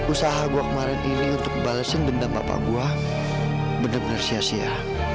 usaha gua kemarin ini untuk balesin dendam bapak gua bener bener sia sia